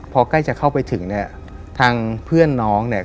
พอใกล้จะเข้าไปถึงเนี่ยทางเพื่อนน้องเนี่ย